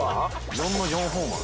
４の４ホーマー。